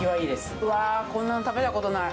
うわこんなの食べたことない。